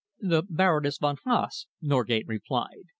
"The Baroness von Haase," Norgate replied.